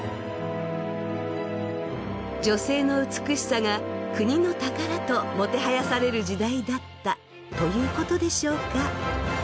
女性の美しさが国の宝ともてはやされる時代だったということでしょうか。